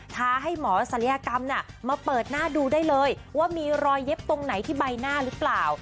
ท้าให้หมอศัลยกรรมมาเปิดหน้าดูได้เลยว่ามีรอยเย็บตรงไหนที่ใบหน้าหรือเปล่า